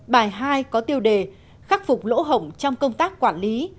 bài hai có tiêu đề khắc phục lỗ hổng trong công tác quản lý